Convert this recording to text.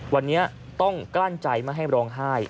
วันนี้ต้องกลั้นใจไม่ให้ร้องไห้